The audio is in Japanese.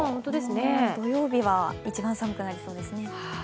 土曜日は一番寒くなりそうですね。